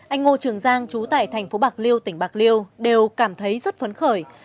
anh ngô trường giang trú tại thành phố bạc liêu tỉnh bạc liêu đều cảm thấy rất phấn khởi